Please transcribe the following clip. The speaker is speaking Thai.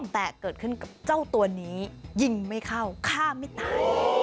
แต่เกิดขึ้นกับเจ้าตัวนี้ยิงไม่เข้าฆ่าไม่ตาย